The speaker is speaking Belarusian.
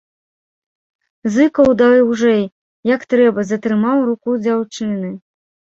Зыкаў даўжэй, як трэба, затрымаў руку дзяўчыны.